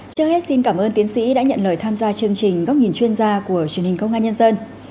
trước hết xin cảm ơn tiến sĩ đã nhận lời tham gia chương trình góc nhìn chuyên gia của truyền hình công an nhân dân